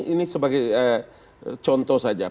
ini sebagai contoh saja